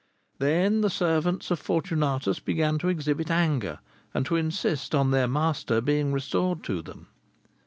Then the servants of Fortunatus began to exhibit anger, and to insist on their master being restored to them.